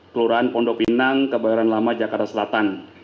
kelurahan pondok pinang kebayoran lama jakarta selatan